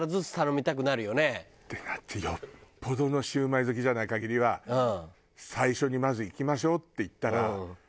だってよっぽどのシュウマイ好きじゃない限りは最初にまずいきましょうって言ったら。